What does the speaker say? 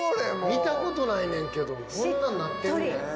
見たことないねんけどこんなんなってんねや。